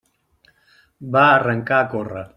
Va arrencar a córrer.